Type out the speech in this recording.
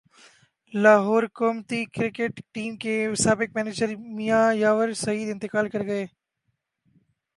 لاہورقومی cricket team کے سابق manager Mian یاور سعید انتقال کرگئے